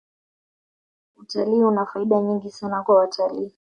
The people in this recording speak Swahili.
utalii una faida nyingi sana kwa watalii